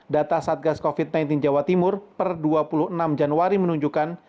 data satgas covid sembilan belas jawa timur per dua puluh enam januari menunjukkan